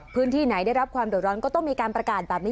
พื้นที่ไหนได้รับความเดือดร้อนก็ต้องมีการประกาศแบบนี้